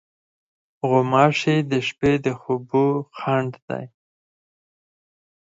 غوماشې د شپې د خوبو خنډ دي.